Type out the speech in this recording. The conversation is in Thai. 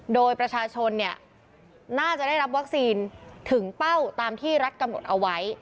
โดยประชาชนน่าจะได้รับวัคซีนถึงเป้าตามที่รัฐกำหนดเอาไว้